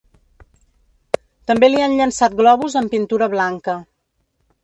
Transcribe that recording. També li han llençat globus amb pintura blanca.